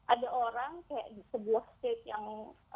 ada orang kayak di sebuah state yang